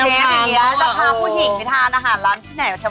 เราชอบพวกผู้หญิงชอบ